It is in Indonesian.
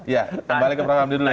ya kembali ke prof hamdi dulu ya